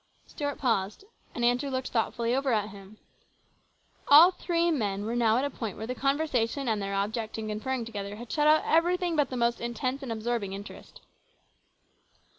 Stuart paused, and Andrew looked thoughtfully over at him. All three men were now at a point PLANS GOOD AND BAD. 173 where the conversation and their object in conferring together had shut out everything but the most intense and absorbing interest.